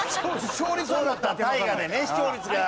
大河でね視聴率が。